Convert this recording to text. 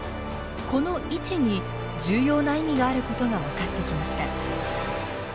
この位置に重要な意味があることが分かってきました。